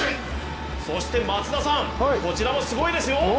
そして松田さん、こちらもすごいですよ。